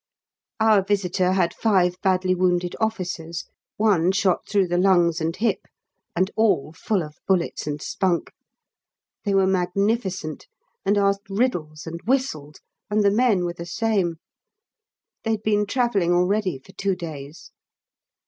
Our visitor had five badly wounded officers, one shot through the lungs and hip, and all full of bullets and spunk. They were magnificent, and asked riddles and whistled, and the men were the same. They'd been travelling already for two days.